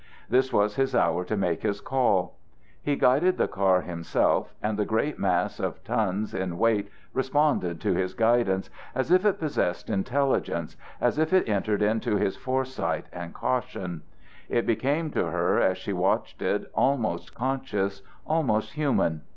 This was his hour to make his call. He guided the car himself, and the great mass of tons in weight responded to his guidance as if it possessed intelligence, as if it entered into his foresight and caution: it became to her, as she watched it, almost conscious, almost human.